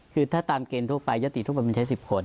คือถ้าตามเกณฑ์ทั่วไปยติทุกคนมันใช้๑๐คน